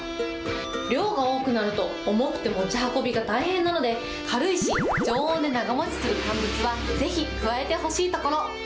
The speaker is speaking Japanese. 量が多くなると、重くて持ち運びが大変なので、軽いし常温で長もちする乾物は、ぜひ加えてほしいところ。